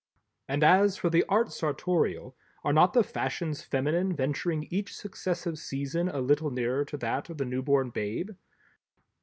And as for the Art Sartorial, are not the fashions feminine venturing each successive season a little nearer to that of the newborn babe?